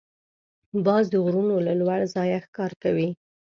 باز د غرونو له لوړ ځایه ښکار کوي